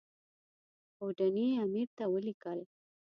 اوډني امیر ته ولیکل.